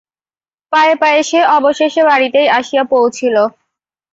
পায়ে পায়ে সে অবশেষে বাড়িতেই আসিয়া পৌঁছিল।